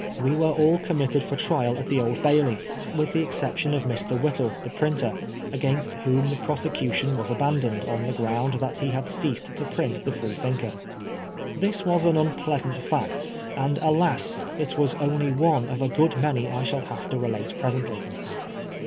We were all committed for trial at the Old Bailey, with the exception of Mr. Whittle, the printer, against whom the prosecution was abandoned on the ground that he had ceased to print the Free thinker. This was an unpleasant fact, and alas I it was only one of a good many I shall have to relate presently.